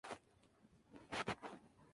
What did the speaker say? Tuvo lugar en La Caja Mágica en Madrid, España.